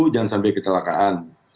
jangan sampai kecelakaan